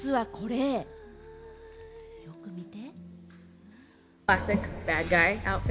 実は、これ、よく見て？